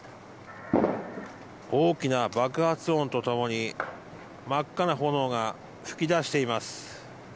大きな爆発音と共に真っ赤な炎が噴き出しています。